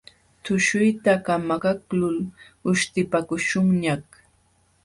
Tushuyta kamakaqlul uśhtipakuśhunñaq.